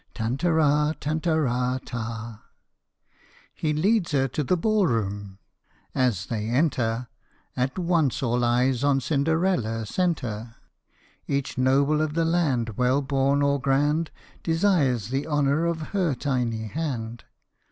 Tantara tantara ta ! He leads her to the ball room. As they enter, At once all eyes on Cinderella centre. Each noble of the land, well born or grand, Desires the honour of her tiny hand.